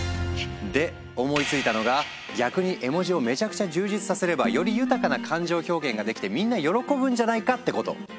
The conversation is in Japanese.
で思いついたのが逆に絵文字をめちゃくちゃ充実させればより豊かな感情表現ができてみんな喜ぶんじゃないかってこと。